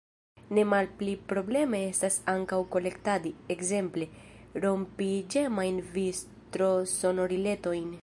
Ne malpli probleme estas ankaŭ kolektadi, ekzemple, rompiĝemajn vitrosonoriletojn.